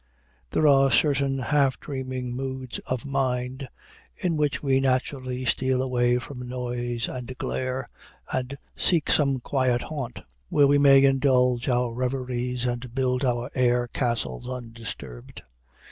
There are certain half dreaming moods of mind, in which we naturally steal away from noise and glare, and seek some quiet haunt, where we may indulge our reveries and build our air castles undisturbed.